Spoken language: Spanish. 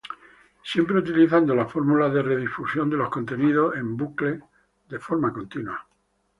Siempre utilizando la fórmula de redifusión de los contenidos en bucle de forma continua.